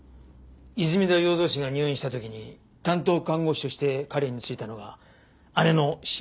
泉田耀造氏が入院した時に担当看護師として彼についたのが姉の島村昌子。